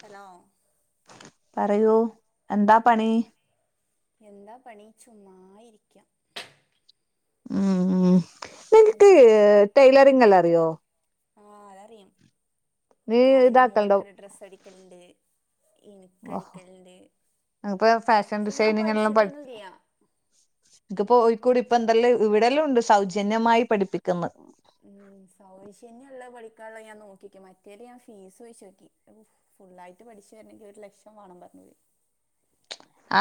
Hello പറയൂ എന്താ പണി ചുമ്മായിരിക്ക ഉം നിനക്ക് ടൈ ലറിങ്ങ എല്ല അറിയോ ആഹ അതറിയാം നീ ഞാന എന്റെ ഇതാക്കലുണ്ടോ മോൾക്ക്ൊരു ഡ്രസ് അടിക്കലണ്ട് എനി ഓഹ് കടിക്കൽ ണ്ട് ഇപ്പൊ ഫാഷൻ ഡിസൈനിങ് എല്ലാം പഠിച്ച ഇനിക്ക്പ്പോയിക്കൂടി ഇപ്പൊ എന്തെല്ലാം ഇവിടെല്ലാം ഉണ്ട് സൗജന്യമായി പഠിപ്പിക്കുന്നു ഉം സൗൈശന്യമുള്ളള്ള പഠിക്കാനുള്ള ഞാൻ നോക്കിക്ക് മറ്റേദ് ഞാൻ ഫീസ് ചൊയ്ചോകി ഫുുള്ളായിട്ട്ഠ പക്ഷേ ഒരു ലക്ഷം വേണം പറഞ്ഞ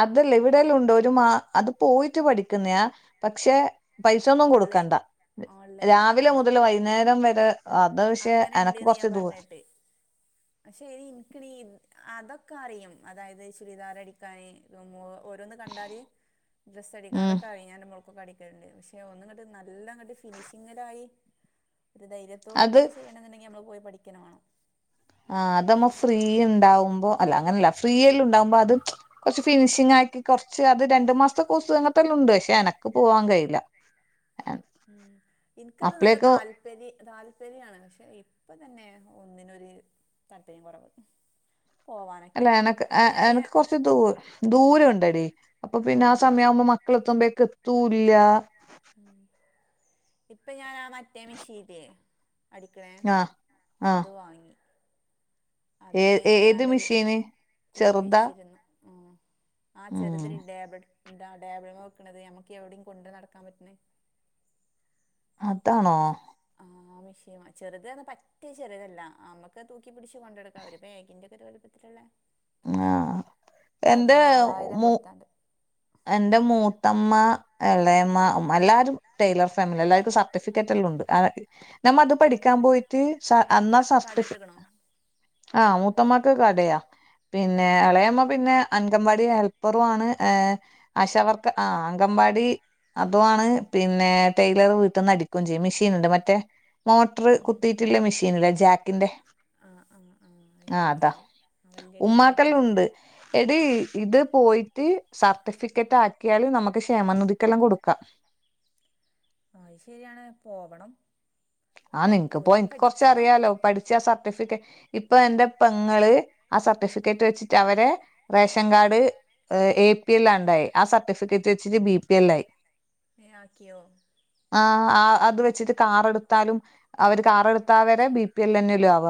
അതല്ല ഇവിടെയല്ലാം ഉണ്ടോ ഒരു മാ അത് പോയിട്ട് പഠിക്കുന്നയാാ പക്ഷെ പൈസൊന്നും ഓൺലൈൻ കൊടുക്കണ്ട ഓൺലൈൻ രാവിലെ ആഹ് മുതൽ വൈകുന്നേരം വരെ അത് പക്ഷെ അങ്ങനെ എനക്ക് ഇണ്ട്ന്ന് കൊറച്ച് ഞാൻ ദൂര പറഞ്ഞിട്ട് പക്ഷെ ഇനി എനക്ക്ി അതൊക്കെ ക്കെ അറിയും അതായത് ചുരിദാർ അടിക്കാാന്ോ ഓരോന്ന് കണ്ടാര്ല് ഡ്രസ്സ്സടിക്കാ ഉം അതൊക്കെ അറ ഞാൻ്റെ മൊൽകൊക്കെ പക്ഷെ ഒന്നട്ട് നല്ലട്ട് ഫിനിഷിങ്ങിലായി ത്തോടു അത് കൂടി ചെയ്യണ എന്നുണ്ടെങ്കിൽ നമ്മൾ പോയി പഠിക്കണ വേണം ആ അതമ്മ ഫ്രീ ഉണ്ടാവുമ്പോ അല്ല അങ്ങനല്ല ഫ്രീല്ല ഉണ്ടാവുമ്പോ അതും കൊറച്ച് ഫിനിഷി ആയി കുറച്ച് അത് രണ്ട് മാസത്തെക്കസ് അങ്ങത്തെല്ലാം ഉണ്ട് പക്ഷേ അനക്ക ഉ എനിക്കത് നല്ല അപ്പളേക്ക് താല്പര്യ തൽപ ശരിയാണ് പക്ഷെ ഇപ്പൊ തന്നെ ഒന്നിനൊരു തട്ടയും കുറവ് പോവാനൊക്കെ അല്ല എനക്ക് ഇപ്പം ഞാൻ ഈ- എക്ക് കൊറച്ച് ദൂ ദൂരം ഉണ്ട്ടിീ അപ്പൊ പിന്നെ ആ ഉം സമയം ആവുമ്പോ മക്കള എത്തുമ്പഴേക്ക എത്തല്ല ഉ ഇപ്പൊ ഞൻാ മറ്റേ മിഷീല് അടിക്കണേ ആഹ് ആഹ് അത് വാങ്ങി ഏ അത് ഏത് ഞാനൊരു മെഷീന് ചെറുതാ ആഹ് ഉം ചെറുതല ഇണ്ടേബട എന്താ ടേബിൾ വെക്കണത് നമ്മക്ക് എവിടെയും കൊണ്ട് നടക്കാൻ പറ്റണേ അതാണോ ആ മിഷീ ചെറുതന്ന് പറ്റേ ചെറുതല്ല നമുക്ക് തൂക്കി പിടിച്ച് കൊണ്ടു നടക്കാം ഒരു പേഗിന്റെറെയക്ക ഒരു എളിപ്പത്തിലുള്ളേ ആ.. എന്തേ.. പതിനാലായിരം മു കൊടുത്താണ്ട് എന്റെ മൂത്തമ്മ എളെമ്മ മ്മ എല്ലാരും ടെലർ ഫാമിലി എല്ലാർക്കും സർട്ടിഫിക്കറ്റ്ല്ലണ്ട് അ.. നമ്മ അത് പഠികാം പോയിട്ട് സ.. ക അന്നന്നാ കട സർട്ടിഫ ഇട്ട്ക്കണോ ആഹ... മൂത്തമാക്ക് കടയാ.. പിന്നെ.. എളേയമ്മ പിന്നെ.. അൻങ്കവാ ടി ഹെൽപ്റാണ്.. ഏ്.. അശവർക്ക.. ആ.. അങ്കവാടി അതു അണ് ഉം പിന്നെ.. ടൈലർ വീട്ട്ന്ന് അടികും ചിയ്യും മിഷീണ്ട് മറ്റേ മോട്റ് ഉം കുത്തിട്ള്ള മെഷീൻ ഇലെ ജാക്കിന്റെ ആ.. ആ.. ആ ആ.. എനിക്ക് അതാ, മനസ്സിലായി ആ വല്യ ഉമ്മാക്കല അടിക്കാരൊക്കെ ഉണ്ട്. എടി.. ഇത് പോയിറ്റ് സർട്ടിഫിക്. ആാക്യാല് നമ്ക്ക് ക്ഷേമനിതിക്കെല്ലാം കൊടുക്കാ ആത്ഷെരിയാണ്, പോവണം ആഹ്.. നിൻക്ക് പോ പോയി ഇനിക്ക് പഠിക്കണം കൊറച്ചറിയാലോ പഠിച്ച സർട്ടിഫികെ ഇപ്പൊ എന്റെ പെങ്ങള് ആ സർട്ടിഫിക്കറ്റ് വെച്ചിട്ട് അവരെ റേഷൻകാർഡ് എ പി എല്ലണ്ടായി ആ സർട്ടിഫിക്കറ്റ് വെച്ചിട്ട് ബിപി എല്ലായി എാ.. ക്യോ ആ.. അ.. അത് വെച്ചിട്ട് കാറേടു ത്താലും, അവര് കാർ എടുത്താവരെ ബി പി എൽ എലനാലും ആവ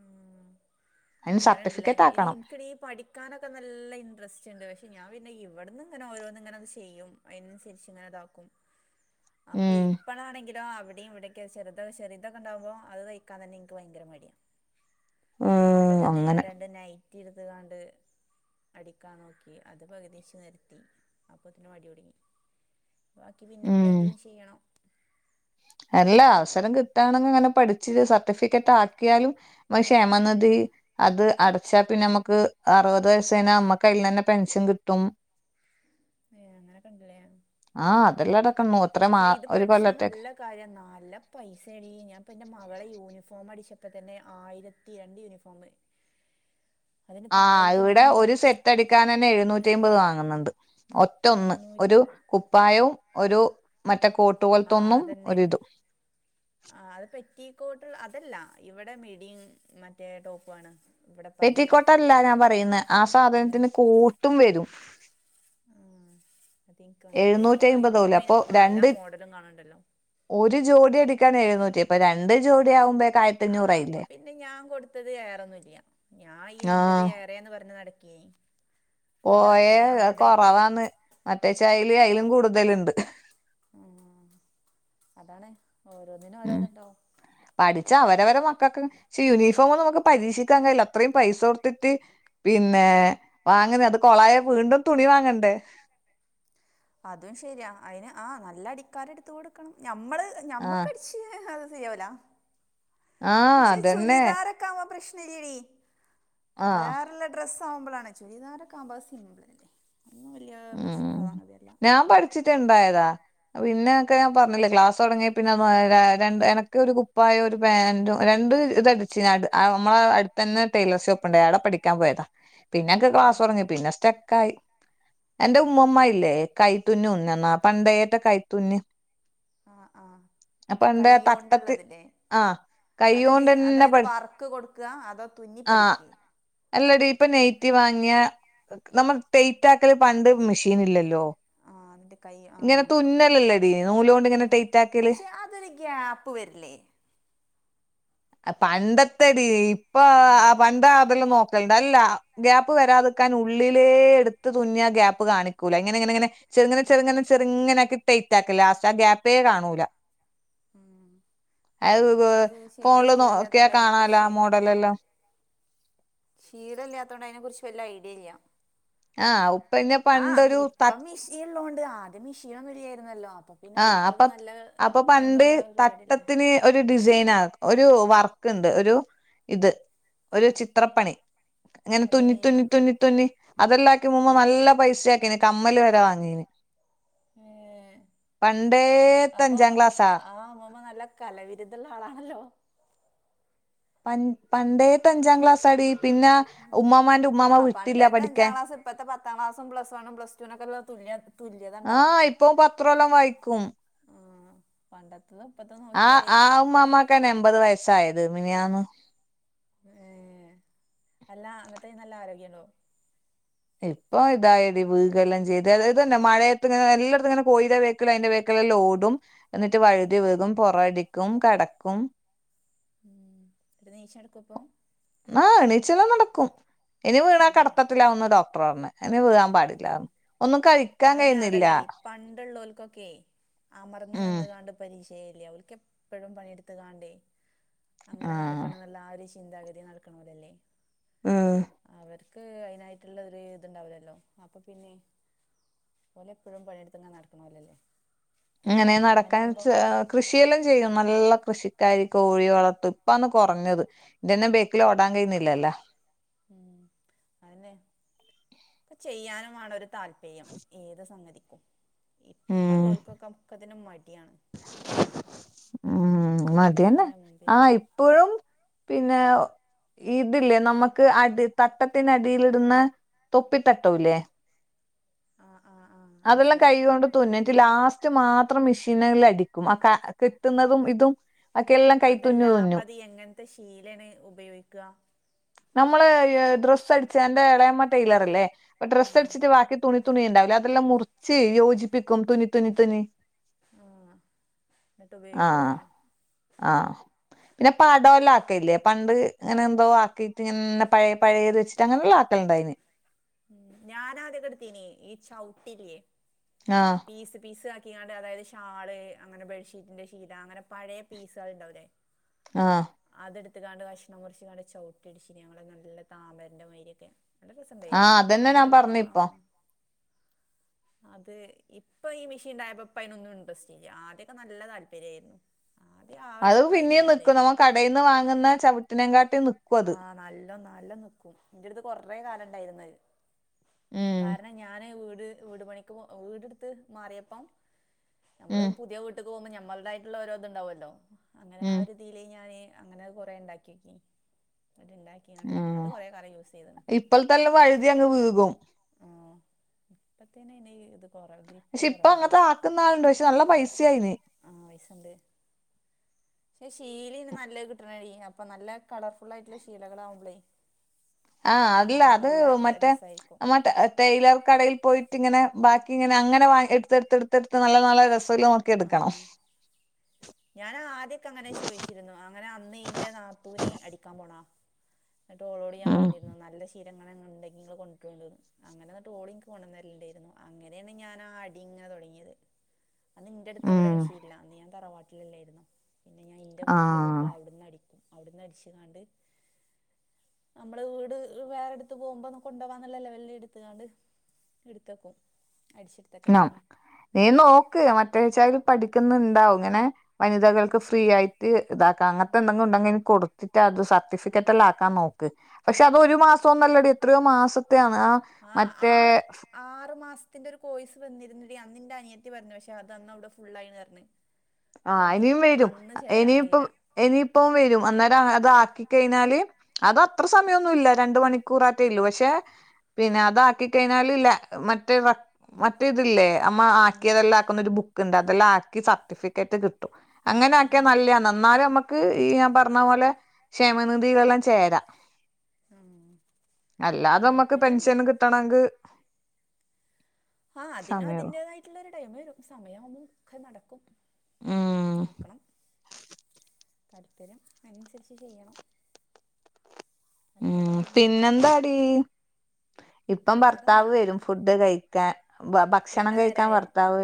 ഉം... അങ്ങനെല്ലേ സർട്ടിഫിക്കറ്റ് ഇനി ആക്കണം ഇൻക്കെടി.. പഠിക്കാനൊക്കെ നല്ല ഇൻഡ്രസ്റ്റ്ണ്ട് പക്ഷെ ഞാൻ പിന്നെ ഇവ്ടന്ന് ഇങ്ങനെ ഓരോന്ങ്‌നെ ചെയ്യും അഇനൻസര്ച്ച് ങ്ങനെ താക്കും അപ്പൊ ഉം ഇപ്പളാണെങ്കിൽ ദാ.. അവ്ടിം ഇവ്ടൊക്കെ ചെർ ചെർ തൊക്കെണ്ടാകുമ്പോ അയ് ത്തൈക്കാൻ തന്നെ ഇൻക്ക് ഭയങ്കര മടിയ ഉം ഇന്നലെതന്നെ ഞാൻ അങ്ങനെ രണ്ട് നൈറ്റിട്ത്ങ്ങണ്ട് അടിക്കാൻ നോക്കി അത് പക് തിച് നിർത്തി അപൊതിന് മടിടുങ്ങി ബാക്കി ഉം പിന്നെപ്ലെങ്കിലും ചിയ്യണം അല്ല, അവസരം കിട്ടാണങ്ക ങ്ങനെ പഠിപ് ചില സർട്ടിഫിക്കറ്റ് ആക്യാലും ശേമന് ധി അത് അടച്ച പിന്നാമക് ന അറുവത് വയസേഞ അമ്മക്ക്യ്യിൽ ന്നെനെ പെൻഷൻ ക് ട്ടും ഉ ആഹ.. അതെല്ലാംടക്ക നൂത്ര മാ.. പക്ഷെ ഇത് ഒരു പഠിച്ചാ കൊല്ലത്തക്കെ നല്ല കാര്യം നല്ല പൈസെടി ഞാൻപ്പ ന്റെ മകളെ യൂനിഫോം അടിച്ചപ്പോ തന്നെ ആയിരത്തി രണ്ട് യൂണഫ ഫോമ്. ആഹ്.. ഇവ്ടെ ഒരു സെറ്റ് അടിക്കാനെ ന്നെ എഴുന്നൂറ്റി ഐമ്പത് വാങ്ന്ണ്ട് ഒറ്റൊന്ന് മുന്നൂറ്റി ഒരു കുപ്പായോം ഒരു മറ്റേ.. ആ കോട്ടുപോൽത്തൊന്നും അതന്നെ ഒരിതും കൊട്ള അതല്ല ഇവെടെ മിഡിം.. മറ്റേ ടോപോണ് പെറ്റിക്കോട്ടല്ല ഞാൻ പറയുനേ ആ ഏ സാധത്തിന് കോട്ടും വരും ഇൻക്ക് മനസ്സിലായി എഴുന്നൂറ്റി ഇപ്പൊ അമ്പതോലെ യൂണിഫോമെയ്ന് അപ്പൊ പല രണ്ട് മോഡലുംകണ് ണ്ടല്ലോ ഒരു ജോഡിടിക്കാൻ എഴുന്നൂറ്റി പ്പൊ രണ്ട് ജോഡി ആകുമ്പേ ആ.. അപ്പൊ പിന്നെ ഞാ കൊട്ത്തത് ഏറെൊന്നുംല്ല ഞാൻ ഇന്റത് ആഹ് ഏറെന്ന് പറഞ്ഞ നട ക്കെ.. പോയേ.. അ കൊറവാന്ന് മറ്റേച്ചായെല് അഇലും കൂട്തല്ണ്ട് ഉം.. അതാണ്, ഓരോന്നിന് ഓരോതുണ്ടാകും താ അവരവരെ മക്കക്ക്ഷെ യൂണിഫോമ മക്ക് പരീക്ഷിക്കാ കഴില്ല അത്രേം പൈസ കൊട്ത്തിട്ട് പിന്നെ.. ഏ. വാങ്ങുന്ന അത് കൊളായ വീണ്ടും തുണി വാങ്ങണ്ടേ [inaudible] അതും ശരിയാ അഇന് ആ.. നല്ല അടിക്കാരെടുത് കൊട്ക്കണം ഞമ്മള് ആഹ് ഞമ്മക്കടിച്ചഅ ചെയുല ആഹ് പക്ഷെ അതന്നെ ചുലിദാാരൊക്കകുമ്പ പ്രശ്നലടി ആഹ.. ആവുമ്പോൾ ആണ്, ചുരിദാരക്കെ ആവുമ്പ സിമ്പിൾ അല്ലേ. ഒന്നും വലിയ ഉം പ്രശ്നമുള്ള സംഗതിയല്ല ഞാൻ പഠിച്ചിട്ടുണ്ടായതാ. പിന്നെക്കെ ഞാൻ പറഞ്ഞില്ലേ, ക്ലാസ്റ്റ് തുടങ്ങിയ പിന്നെ രണ്ട് എനക്ക് ഒരു കുപ്പായ ഒരു പാൻറും രണ്ട് ഇതടിച്ച് നമ്മള അടുത്ത തന്ന ടെയ്ലർ ഷോപ്പ് ഉണ്ട്, ആടെ പഠിക്കാൻ പോയതാ. പിന്നെ ഒക്കെ ആ ക്ലാസ് തുടങ്ങി. പിന്നെ സ്റ്റെക്ക് ആയി. എന്റെ ഉമ്മമ്മ ഇല്ലേ. കൈത്തുന്നു തിന്നുന്ന അപ്പൊ ഏട്ടാ കൈത്തുന്നു [inaudible] അപ്പൊ എന്താ തട്ടത്തി ആ അത് അതായത് വർക്ക് കൊടുക്കുക അതോ തുന്നി ആഹ് പഠിക്ക അല്ലടി ഇപ്പ നെയ്റ്റി വാങ്ങിയ നമ്മൾ ടെയ്റ്റ് ആക്കല് പണ്ട് മെഷീൻ ഇല്ലല്ലോ. ആ എന്റെ കൈ ആ, ഇങ്ങനെ തുന്നലല്ലേടി നൂലോണ്ട് ഇങ്ങനെ ടൈറ്റാക്കല് പക്ഷെ അതൊരു ഗ്യാപ്പ് വരില്ലേ? [inaudible] പണ്ടത്തെടി ഇപ്പൊ ആ ആഹ് പണ്ട അതെല്ലാം നോക്ക ണ്ടല്ല ഗ്യാപ്പ് വരാതിക്കാൻ ഉള്ളിലേ എടു തുന്നി ആ ഗാപ്പ് കാണിക്കൂല്ല. എങ്ങനെങ്ങെങ്ങനെ ചെറുങ്ങനെ ചെറുങ്ങനെങ്ങന ആക്കി ടൈറ്റ് ആ ലാസ്റ്റ് ആ ഗ്യാപ്പെ കാണൂല. [inaudible] അല്ല അതത് നമുക്ക് ചെയ്ത് ഫോണില് നോക്കിയ ശീലല്ലാത്തോണ്ട് അതിനെ കാണാലാ മോഡല് എല്ലാം. ശക്ഷീതം ഇല്ലാത്തൊണ്ട് അതിനെ കുറിച്ച് വല് ഐഡിയ ഇല്ല. ആഹ് പിന്നെ ആ പണ്ടൊരു ത ഇപ്പം മിഷിയള്ളതോണ്ട് ആദ്യം മിഷീൻ ഒന്നും ഇല്ലായിരുന്നല്ലോ. അപ്പൊ പിന്നെ ആ ഓൽക്കത് അപ്പൊ നല്ല അപ്പൊ പണ്ട് ഇതുള്ള പരിപാടിയല്ലേ തട്ടത്തിന് ഒരു ഡിസൈൻ ആ ഒരു വർക്ക് ഉണ്ട്, ഒരു ഇത് ഒരു ചിത്രപ്പണി. അങ്ങനെ തുന്നി അതെങ്ങനെയാ തുന്നി തുന്നി തുന്നി. അതെല്ലാം ആക്കി മുമ്പ് നല്ല പൈസ ആക്കിന് കമ്മല് വരെ വാങ്ങീന്. ഏ പണ്ടേത്തെ അപ്പൊ അഞ്ചാം ക്ലാസ്സാ ആ അമ്മമ്മ നല്ല കലവിരുദ്ധുള്ള ആളാണല്ലോ. പ പണ്ടേത്ത അഞ്ചാം ക്ലാസ് ആടി. ആ പണ്ടേത്തെ അഞ്ചാം പഠിക്കാൻ ക്ലാസ് ഇപ്പഴത്തെ പത്താം ക്ലാസ്സും, പ്ലസ് വണ്ണും പ്ലസ് ടുനൊക്കെ. ആ ഇപ്പൊ പത്രോല്ലം വായിക്കും. ആ പണ്ടത്തെ. ആ ആ ഉമാമാക്കന്നെ എൺമ്പത് വയസായത് മിനന്ന്. ഏർ അല്ല അന്നത്തേ നല്ല ആരോഗ്യം ഉണ്ടോ? ഇപ്പൊ ഇതായിടി വികല്ലം ചെയ്ത്ത് ഇത്തന്നെ മഴയത്ത് എല്ലായിടും ഇങ്ങനെ കോയ്യിന്റെ വേക്കില് അതിന്റെ വേക്കി ലല്ലാം ഓടും. എന്നിട്ട് ഉം വഴുതി വീകും പൊറടിക്കും കിടക്കും. ഉം നീശം എടുക്കപ്പ ച്ചില നടക്കും. ഇനി വീണാ കടത്തത്തിലാവുന്ന ഡോക്ടർ പറഞ്ഞ ഇനി വീഴാൻ പാടില്ല ഉം ഒന്നും കഴി അയിന് അതല്ലടി പണ്ടുള്ളവർക്കൊക്കെ അമർന്ന് ഉം നിന്ന് കണ്ട് പ ല്ലേ അവർക്ക് എപ്പോഴും പണിയെടുത്ത് കാണണ്ടേ, അങ്ങനെ ആഹ് നടക്കണം എന്നുള്ള ആ ചിന്താഗതി നടക്കണ പോലെയല്ലേ. ആഹ്. അവർക്ക് അതിനായിട്ടുള്ള ഇതുണ്ടാവിലല്ലോ, അപ്പൊ പിന്നെ. ഓലെ എപ്പോഴും പണിയെടുത്ത് ഇങ്ങനെ നടക്കണല്ലല്ലേ. ഇങ്ങനെ നടക്കാൻ കൃഷിയെല്ലാം ചെയ്യും. നല്ല കൃഷിക്കാരി കോഴി വളർത്തും. ഇപ്പന്ന് കുറഞ്ഞത് ഇന്റെന്നും ബേക്കിൽ ഓടാൻ കഴിയുന്നില്ലല്ലോ. ഉം അതന്നെ താൽപര്യം ഏത് സംഗതി. ഇപ്പ ഉം ഉള്ളവർക്കൊക്കത്തിനും മടിയാണ്. ഉം മടി തന്നെ, മൊബൈലിന്റെ മുമ്പിൽ ആ ഇപ്പോഴും പിന്നെ. ഇതില്ലേ നമുക്ക് അടി തട്ടത്തിനടിയിൽ ഇടുന്ന തൊപ്പിത്തട്ടം ഇല്ലേ ആ ആ ആ അതെല്ലാം മനസ്സിലായി കൈ കൊണ്ട് തുന്നിട്ട് ലാസ്റ്റ് ട്ട് മാത്രം മെഷീനിൽ അടിക്കും ആ കെട്ടുന്നതും ഇതും ഒക്കെ എല്ലാം അതല്ല കൈത്തുന്നു അപ്പം തുന്നും അത് എങ്ങനത്തെ ശീലേണ് ഉപയോഗിക്കുക നമ്മള് ഡ്രസ്സ് അടിച്ചേൻ്റേ എളേമ്മ ടൈലർ ഇല്ലേ അപ്പൊ ആ ഡ്രസ്സ് അടിച്ചിട്ട് ബാക്കി തുണി തുണി ഉണ്ടാവില്ലേ അതെല്ലാം മുറിച്ച് യോജിപ്പിക്കും തുന്നി തുന്നി തുന്നി, ആ എന്നിട്ട് ആ ഉപയോഗിക്കൂലേ ആ പിന്നെ പടോല ക്കല്ലേ പണ്ട് ഇങ്ങനെ എന്തോ ആക്കിട്ട് ഇങ്ങനെ പഴ പഴയേത് വെച്ചിട്ട് അങ്ങനെയുള്ള ആക്കലിണ്ടായിന്നു ഉ ഞാനാദ്യക്കെ എടുത്തീനി ഈ ചൗട്ടില്ലേ ആഹ് പീസ് പീസ് ക കാണ്ട് അതായത് ഷാള് അങ്ങനെ ബെഡ്ഷീറ്റിന്റെ ശീല അങ്ങനെ പഴയ പീസാളുണ്ടാവൂല്ലേ ആ അതെടുത്ത് കാണ്ട് കഷ്ണം മുറിച്ചാണ്ട് ചവിട്ടി അടിച്ചീനി ഞങ്ങളെ നല്ല താമരന്റെ മാതിരിരൊക്കെ നല്ല രസംണ്ടായിരുന്നു അതെന്നെ ഞാൻ പറഞ്ഞേ ഇപ്പോ [inaudible] അത് ഇപ്പൊ ഈ മെഷീൻണ്ടായപ്പോ അയ്നൊന്നും ഇൻട്രസ്റ്റില്ല ആദ്യൊക്കെ നല്ല താല്പര്യമായിരുന്നു അത് പിന്നിം നിക്കും നമ്മ കടയിൽ നിന്ന് വാങ്ങുന്ന ചവിട്ടിനെ കാട്ടിനും നിക്കും ആ അത് നല്ലോ നല്ലോ നിക്കും എന്റെ അടുത്ത് കൊറേ കാലം ഇണ്ടായിരുന്നത് ഉം കാരണം ഞാന് വീട് വീട് പണിക്ക് വീടെടുത്ത് മാറിയപ്പം നമ്മള് ഉം പുതിയ വീട്ടക്ക് പോകുമ്പോ നമ്മളുടെ തായിട്ടുള്ള ഓരോ ഇത്ണ്ടാവുല്ലോ അങ്ങനെ ആ ഉം ഒരു തീല് ഞാന് അങ്ങനെ കൊറെ ഉണ്ടാക്കിനോക്കി ഉം യൂസ് ചെയ്ത്ണ് ഇപ്പോൾ ത്തെ വഴുതി അങ്ങ് വീകും ഇപ്പത്തനെ എനെ ഏതും പക്ഷെ ഇപ്പം അങ്ങനത്തെ ആക്കുന്ന ആളുണ്ട് പക്ഷെ നല്ല പൈസ അയ്ന് ആ പൈസണ്ട് പക്ഷെ ശീലിം നല്ലത് കിട്ടണടീ അപ്പൊ നല്ല കളർഫുൾ ആയിട്ടുള്ള ശീലകൾ ആവുമ്പളേ ആ അല്ല അത് മറ്റേ നമ്മേ ടെയ്ല്ലർ കടയിൽ പോയിട്ട് ഇങ്ങനെ ബാക്കി ങ്ങനെ അങ്ങനെ എടുത്ത് എടുത്തെടുത്ത് നല്ല നല്ല രസള്ളത് നോക്കി എടുക്കണം ഞൻ ആദ്യൊക്കെ അങ്ങനെ ചോയിച്ചിരുന്നു അങ്ങനെ അന്ന് ഇന്റെ നാത്തൂന് അടിക്കാൻ പോണാ ന്നട്ട് ഒളോട് ഞാൻ ഉം പറഞ്ഞിരുന്നു നല്ല ശീലങ്ങനെ ഉണ്ടെങ്കിൽ കൊണ്ടരൊണ്ടു അങ്ങനെ ഓള് എനിക്ക് കൊണ്ടന്നരലുണ്ടായിന്നു അങ്ങനെയാണ് ഞാൻ ആ അടിങ്ങനെ തുടങ്ങിയത് അന്ന് ഇന്റെടുത്ത് ഇവിടെ ഉം മിഷീനില്ല അന്ന് ഞാൻ തറവാട്ടിലെല്ലായിരുന്നോ പിന്നെ ഞാൻ എൻ്റെ വീട്ടിൽ പോകുബോൾ ആഹ് അവിടെന്നടിക്കും ഔട്ന്ന് അടിച്ച് കാണ്ട് നമ്മളേ വീട് വേറെടുത്ത് പോകുമ്പോ കൊണ്ട് പോകന്നുള്ള ലെവലില് എടുത്തുകാണ്ട് എടുത്തക്കും ന്നം നീ നോക്ക് മറ്റേ വെച്ചാലും പഠിക്കുന്നുണ്ടാവകും ഇങ്ങനെ വനിതകൾക്ക് ഫ്രീ ആയിട്ട് ഇതാക്കാം അങ്ങനത്തെ എന്തെങ്കിലും ഉണ്ടെങ്കിൽ ഇനി കൊടുത്തിട്ട് അത് സർട്ടിഫിക്കറ്റ് എല്ലാം ആക്കാൻ നോക്ക് പക്ഷെ അ അത് ഒരു മാസം ഒന്നുംല്ലടി എത്രയോ മാസത്താണ് ആ മറ്റേ അതിൻ്റൊരു കോയ്സ് വന്നിരുന്നു അന്ന്ന്റെ അനിയത്തി പറഞ്ഞു പക്ഷെ അത് അന്ന് ഔടെ ഫുൾ ആയി പറഞ്ഞു ആ ഇനിയും വരും ഇനിപ്പം കഴിയൂല ഇനിയിപ്പം വരും അന്നേരം ആ അത് കഴിഞ്ഞാല് അത് അത്ര സമയംമോന്നുമില്ല രണ്ട് മണിക്കൂറ് ആട്ടേ ഉള്ളൂ പക്ഷെ പിന്നെ അതാക്കി കഴിഞ്ഞാൽ ഇല്ല മറ്റേ മറ്റേ തില്ലേ നമ്മ ആക്കിതെല്ലാം ആക്കുന്ന ഒരു ബുക്ക്ണ്ട് അതെല്ലാം ആക്കി സർട്ടിഫിക്കറ്റ് കിട്ടും അങ്ങനെ ഉം ആക്കിയ നല്ല്യണ് എന്നാലും നമ്മക്ക് ഈ ഞാൻ പറ പറഞ്ഞ പോലെ ക്ഷേമനിധികളെല്ലാം ചേരാം ഉം അല്ലാതെ നമ്മക്ക് താല്പര്യണ്ട് പെൻഷന് കിട്ടണെങ്കിൽ ആ അതിനും അതിന്റേതായിട്ടുള്ള ഒരു ടൈമം വരും സമയാവുബൊ ഒക്കെ നടക്കും ഉം നോക്കണം താല്പര്ം അയ്നനുസരിച്ച് ചെയ്യണം ഉം താല്പര്യള്ള സംഗതിയല്ലേ പിന്നെന്താടി ഇപ്പം ഭർത്താവ് വേറെന്താ വരും ഫുഡ് കഴിക്കാൻ ബ വര്ണ ഭക്ഷണം കഴിക്കാൻ നേരായോ ഭർത്താവ്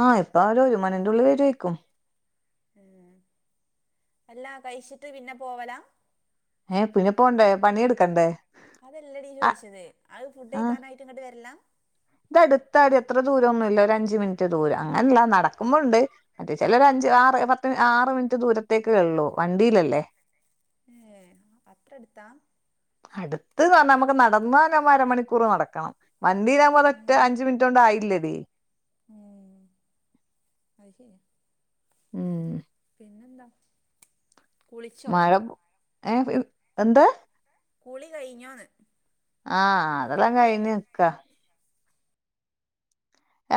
ആഹ് ഇപ്പ അവര്വരും ഉമനന്റുള്ളി വരുവാര്ക്കും ഏഹ് അല്ലാ കഴിച്ചിട്ട് പിന്നെ പോവലാ ഏഹ് പിന്നെ പോണ്ടേ പണിയെടുക്കണ്ടേ. അതല്ല ഡീ ചോയിച്ചത് അത് ഫുഡ് കഴിക്കാനായിട്ട് ഇങ്ങട്ട് വര്ല്ലാ? ഇവ്ട അടുത്താടി അത്ര ദൂരോന്നുല്ല ഒരു അഞ്ച് മിൻറ്റ് ദൂരം അങ്ങനല്ല നടക്കുമ്പോ ഉണ്ട് മറ്റേ ചെലര ഞ്ച് ആറ് പത്ത് ആറ് മിനിറ്റ് ദൂരത്തേക്കേ ഉള്ളു വണ്ടിയിലല്ലേ. ഏഹ് അത്ര അടുത്താ. അടുത്ത്ന്ന് പറഞ്ഞാ നമുക്ക് നടന്നാ നമ്മ അരമണിക്കൂറ് നടക്കണം. വണ്ടിയിലാകുമ്പോ അത് ഒറ്റ ഉം അഞ്ചു മിനിറ്റ് കൊണ്ട് ആയില്ലേടി. ഉം അത് ശരിയാ. ഉം പിന്നെന്താ, കുളിച്ചോ? ഏഹ് പി എന്ത്‌ കുളി കയ്ഞ്ഞോന്ന് ആഹ് അതെല്ലാം കയ്ഞ്ഞ് നിക്കാ.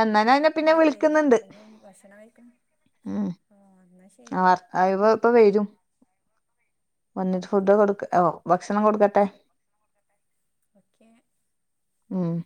എന്നാ ഞാൻ നിന്നെ പിന്നെ കുളി ഒക്കെ കയ്ഞ്ഞ് വിളിക്കുന്നുണ്ട് അപ്പൊ ഇഞ്ഞും ഭക്ഷണം കഴിക്കണം. ഉം ആഹ് എന്നാ ശരി. ഇവ ഇപ്പൊ വരും. വന്നിട്ട് ഓക്കെ ഫുഡ് കൊടുക്ക ഓഹ് ഭക്ഷണം കൊടുക്കട്ടെ. ഓക്കെ ഉം